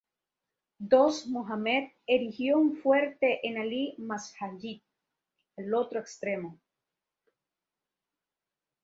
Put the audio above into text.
Dost Mohammad erigió un fuerte en Ali Masjid al otro extremo.